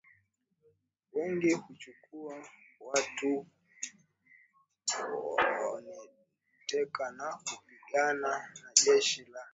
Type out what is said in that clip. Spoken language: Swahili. wengi kuchukua watu mateka na kupigana na jeshi la Nigeria